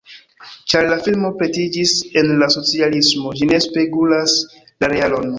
Ĉar la filmo pretiĝis en la socialismo, ĝi ne spegulas la realon.